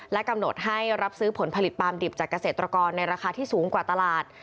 กำหนดให้รับซื้อผลผลิตปลามดิบจากเกษตรกรในราคาที่สูงกว่าตลาด